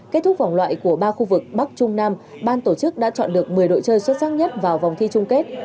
kết thúc vòng loại của ba khu vực bắc trung nam ban tổ chức đã chọn được một mươi đội chơi xuất sắc nhất vào vòng thi chung kết